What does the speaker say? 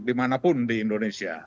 di mana pun di indonesia